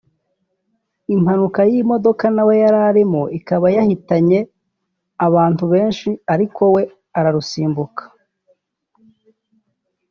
impanuka y’imodoka nawe yari arimo ikaba yahitanye abantu benshi ariko we ararusimbuka